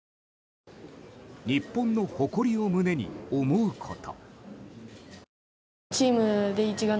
日本の誇りを胸に思うこと。